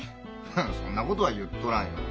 はっそんなことは言っとらんよ。